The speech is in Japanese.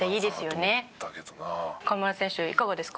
河村選手いかがですか？